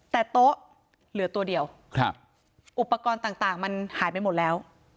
แต่โต๊ะเหลือตัวเดียวอุปกรณ์ต่างมันหายไปหมดแล้ว